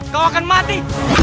kau akan mati